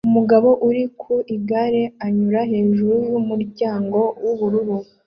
Umugabo uri ku igare anyura hejuru yumuryango wubururu